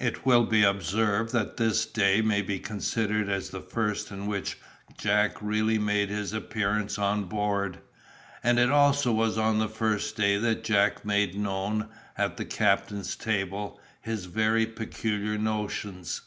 It will be observed that this day may be considered as the first in which Jack really made his appearance on board, and it also was on the first day that Jack made known, at the captain's table, his very peculiar notions.